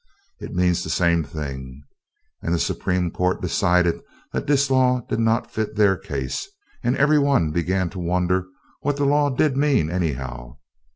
It means the same thing. And the Supreme Court decided that this law did not fit their case, and every one began to wonder what the law did mean anyhow.